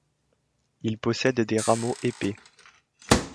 Il possède des rameaux épais.